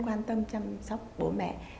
quan tâm chăm sóc bố mẹ